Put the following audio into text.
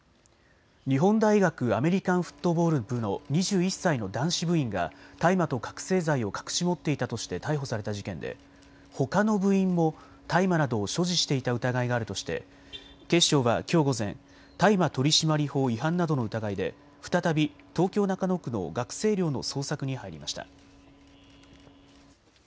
日本大学アメリカンフットボール部の２１歳の男子部員が大麻と覚醒剤を隠し持っていたとして逮捕された事件でほかの部員も大麻などを所持していた疑いがあるとして警視庁はきょう午前、大麻取締法違反などの疑いで再び東京中野区の学生寮の捜索に入りました。